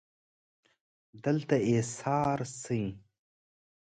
دلته ایسار شئ